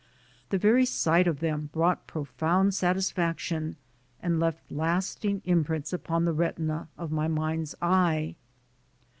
The very sight of them brought pro found satisfaction and left lasting imprints upon the retina of my mind's eye.